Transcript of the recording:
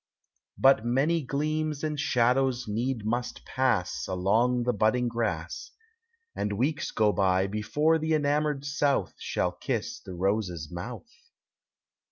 But many gleams and shadows need must pass Along the budding grass, And weeks go by, before the enamored South Shall kiss the rose's mouth.